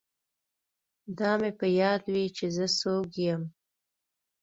دا مې په یاد وي چې زه څوک یم